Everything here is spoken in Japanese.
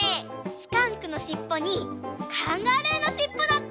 スカンクのしっぽにカンガルーのしっぽだって！